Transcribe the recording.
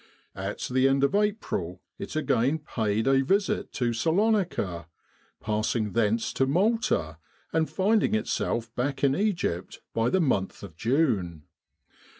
At the end of April it again paid a visit to Salonika, passing thence to Malta, and finding itself back in Egypt by the month of June.